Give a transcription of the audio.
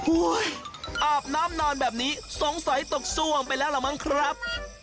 อาบน้ำนอนแบบนี้สงสัยตกซ่วมไปแล้วล่ะมั้งครับ